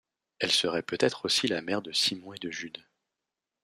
Elle serait peut-être aussi la mère de Simon et de Jude.